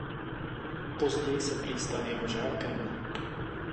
Později se prý stal jeho žákem.